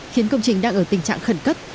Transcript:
khiến công trình đang ở tình trạng khẩn cấp